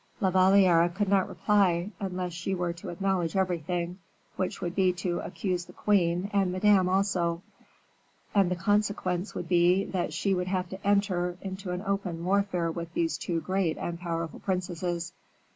La Valliere could not reply, unless she were to acknowledge everything, which would be to accuse the queen, and Madame also; and the consequence would be, that she would have to enter into an open warfare with these two great and powerful princesses.